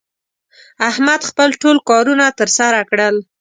احمد خپل ټول کارونه تر سره کړل